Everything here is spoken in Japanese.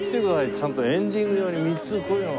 ちゃんとエンディング用に３つこういうのが。